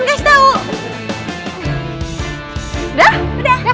jangan lupa juga buat dap